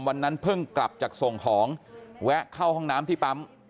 วันนั้นเพิ่งกลับจากส่งของแวะเข้าห้องน้ำที่ปั๊ม